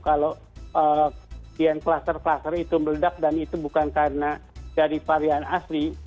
kalau yang kluster kluster itu meledak dan itu bukan karena dari varian asli